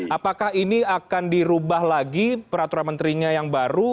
apakah ini akan dirubah lagi peraturan menterinya yang baru